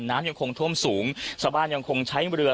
น้ำยังคงท่วมสูงชาวบ้านยังคงใช้เรือ